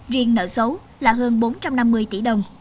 riêng nợ xấu là hơn bốn trăm năm mươi tỷ đồng